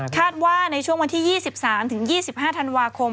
ว่าในช่วงวันที่๒๓๒๕ธันวาคม